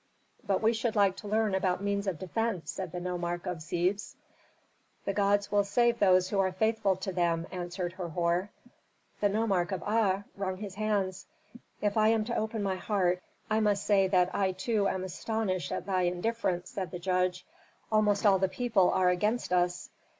"But we should like to learn about means of defence," said the nomarch of Sebes. "The gods will save those who are faithful to them," answered Herhor. The nomarch of Aa wrung his hands. "If I am to open my heart, I must say that I too am astonished at thy indifference," said the judge. "Almost all the people are against us."